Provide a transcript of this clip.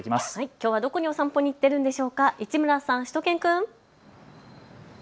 きょうはどこにお散歩に行っているのでしょうか市村さん、しゅと犬くん。